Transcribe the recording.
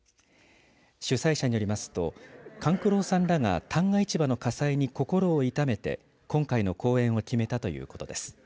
主催者によりますと勘九郎さんらが旦過市場の火災に心を痛めて今回の公演を決めたということです。